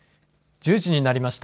１０時になりました。